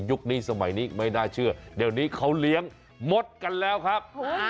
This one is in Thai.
นี้สมัยนี้ไม่น่าเชื่อเดี๋ยวนี้เขาเลี้ยงมดกันแล้วครับ